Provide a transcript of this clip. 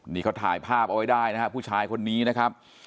นี่เขาถ่ายภาพเอาไว้ได้นะครับผู้ชายคนนี้นะครับ